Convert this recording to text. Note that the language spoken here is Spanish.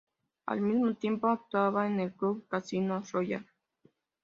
Al mismo tiempo, actuaba en el club Casino Royal.